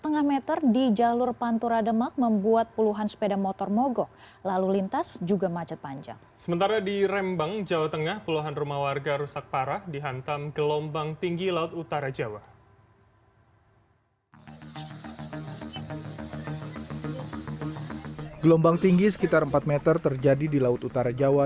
gelombang tinggi sekitar empat meter terjadi di laut utara jawa